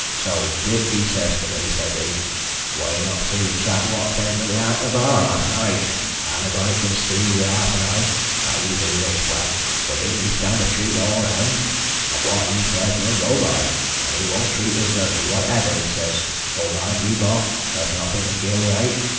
So Dick says to me, says he, 'Why not see the chap wot came into th' Anchor bar last night? Annybody can see wi' half an eye that he's a real swell, for didn't he stand treat all round an' wot he says we'll go by, and 'e won't treat us dirty, whatever he says, though, mind ye, bor, there's narthin' to gi' away.